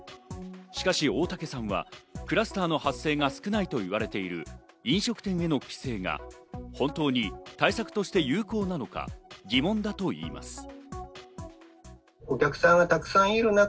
しかし大竹さんはクラスターの発生が少ないと言われている飲食店への規制が本当に対策として有効なのか疑問だといいます。